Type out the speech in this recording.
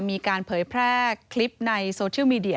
มีการเผยแพร่คลิปในโซเชียลมีเดีย